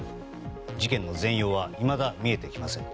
事件の全容はいまだ見えてきません。